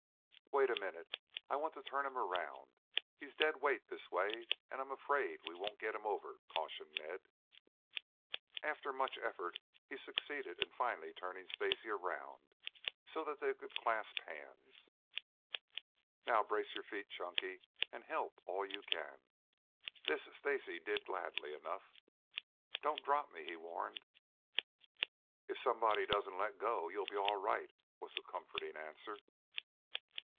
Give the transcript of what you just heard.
"Wait a minute. I want to turn him around. He's a dead weight this way and I'm afraid we won't get him over," cautioned Ned. After much effort he succeeded finally in turning Stacy around so that they could clasp hands. "Now brace your feet, Chunky, and help all you can." This Stacy did gladly enough. "Don't drop me," he warned. "If somebody doesn't let go you'll be all right," was the comforting answer.